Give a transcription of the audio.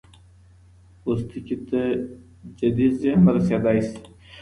پوستکي ته جدي زیان رسېدای شي.